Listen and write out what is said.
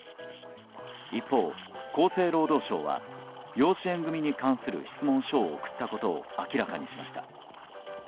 一方、厚生労働省は養子縁組に関する質問書を送ったことを明らかにしました。